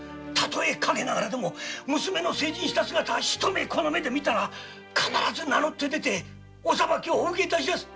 かげながらでも娘の成人した姿をこの目で見たら必ず名乗って出てお裁きをお受け致します。